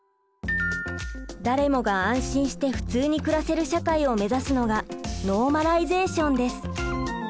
誰もが安心して普通に暮らせる社会を目指すのがノーマライゼーションです。